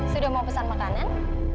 sudah mau pesan makanan